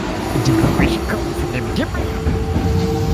Die Geräusche kommen von dem Dimmer.